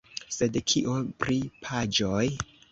Sed kio pri paĝoj?